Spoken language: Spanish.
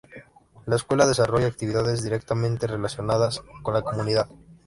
La escuela desarrolla actividades directamente relacionadas con la comunidad.